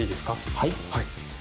はい。